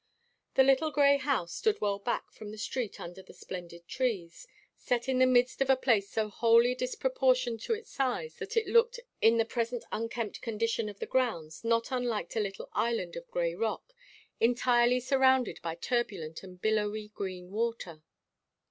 The little grey house stood well back from the street under splendid trees, set in the midst of a place so wholly disproportioned to its size that it looked in the present unkempt condition of the grounds not unlike a little island of grey rock, entirely surrounded by turbulent and billowy green water.